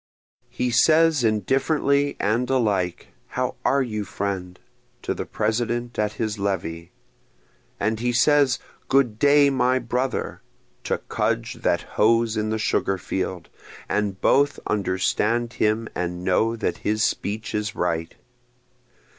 He says indifferently and alike How are you friend? to the President at his levee, And he says Good day my brother, to Cudge that hoes in the sugar field, And both understand him and know that his speech is right.